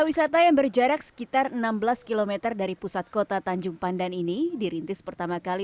wisata yang berjarak sekitar enam belas km dari pusat kota tanjung pandan ini dirintis pertama kali